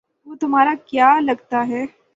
وہ تمہارا کیا لگتا ہے؟